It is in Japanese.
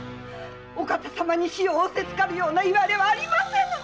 お方様に死を仰せつかるいわれはありませぬ！